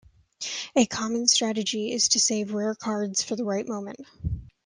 A common strategy is to save rare cards for the right moment.